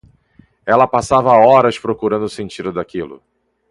Ela passava horas procurando o sentido daquilo.